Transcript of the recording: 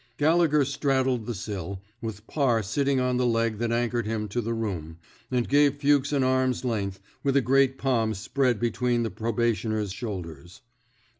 Gallegher straddled the sill — with Parr sitting on the leg that anchored him to the room — and gave Fuchs an arm's length, with a great palm spread between the pro bationer's shoulders.